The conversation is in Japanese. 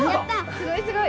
すごいすごい。